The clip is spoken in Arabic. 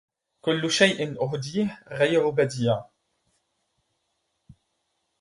كل شيء أهديه غير بديع